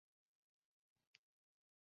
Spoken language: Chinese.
要搭市铁转巴士